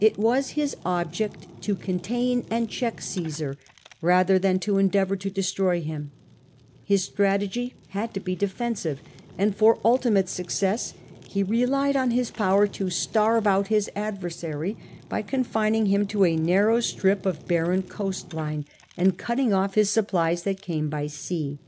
It was his object to contain and check Cissar rather than to endeavour to destroy him; his strategy had to be defensive, and for ultimate success he relied on his power to starve out his adversary by confining him to a narrow space of barren coastlaml and cutting off his supplies that came by sea.